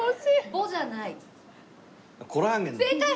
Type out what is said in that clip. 「ボ」じゃない。